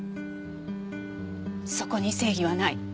そこに正義はない。